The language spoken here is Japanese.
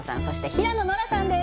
平野ノラさんです